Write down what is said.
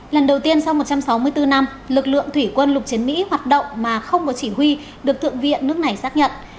lần đầu tiên sau một trăm sáu mươi bốn năm lực lượng thủy quân lục chiến mỹ hoạt động mà không có chỉ huy được thượng viện nước này xác nhận